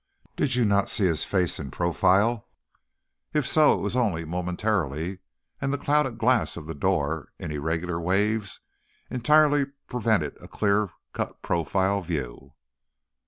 "Did you not see his face in profile?" "If so, it was only momentarily, and the clouded glass of the door, in irregular waves, entirely prevented a clear cut profile view."